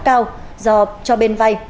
cao do cho bên vay